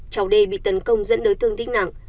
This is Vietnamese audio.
cháu đê bị tấn công dẫn đối thương nặng